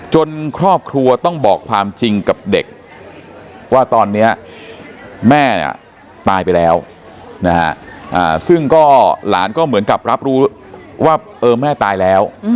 ครอบครัวต้องบอกความจริงกับเด็กว่าตอนนี้แม่เนี่ยตายไปแล้วนะฮะซึ่งก็หลานก็เหมือนกับรับรู้ว่าเออแม่ตายแล้ว